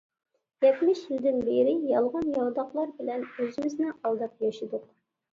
يەتمىش يىلدىن بېرى يالغان-ياۋىداقلار بىلەن ئۆزىمىزنى ئالداپ ياشىدۇق.